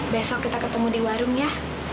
besok kita ketemu di warung ya